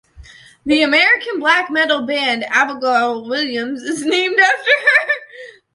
The American black metal band Abigail Williams is named after her.